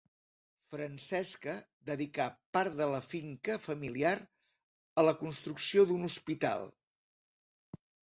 Francesca dedicà part de la finca familiar a la construcció d'un hospital.